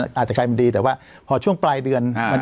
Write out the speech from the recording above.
อาจจะกลายเป็นดีแต่ว่าพอช่วงปลายเดือน